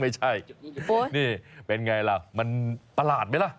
ไม่ใช่นี่เป็นไงล่ะมันประหลาดไหมล่ะ